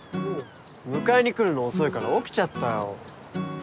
迎えに来るの遅いから起きちゃったよ。